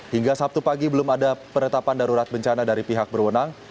hingga sabtu pagi belum ada penetapan darurat bencana dari pihak berwenang